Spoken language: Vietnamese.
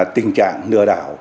tình trạng nửa đảo